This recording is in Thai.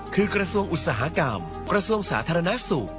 คือกระทรวงอุตสาหกรรมกระทรวงสาธารณสุข